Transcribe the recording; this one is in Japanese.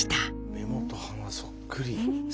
目元鼻そっくり。